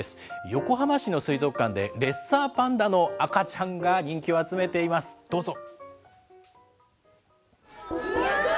横浜市の水族館で、レッサーパンダの赤ちゃんが人気を集めています、どうぞ。